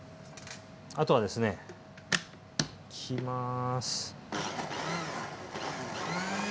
あとはですねいきます。